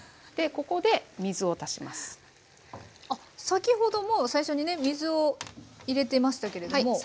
でここで先ほども最初にね水を入れてましたけれども。